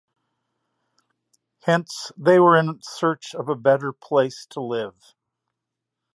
Hence, they were in search of a better place to live.